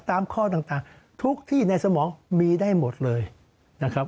ตามข้อต่างทุกที่ในสมองมีได้หมดเลยนะครับ